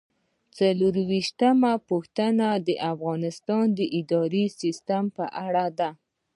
څلرویشتمه پوښتنه د افغانستان د اداري سیسټم په اړه ده.